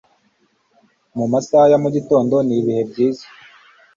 mu masaha ya mugitondo n'ibihe byiza